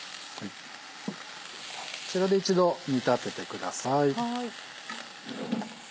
こちらで一度煮立ててください。